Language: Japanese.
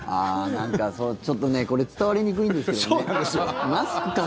なんか、ちょっとこれ伝わりにくいんですよね。